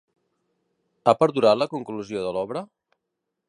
Ha perdurat la conclusió de l'obra?